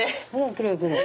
きれいきれい。